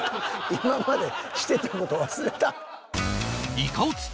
今までしてた事忘れたん？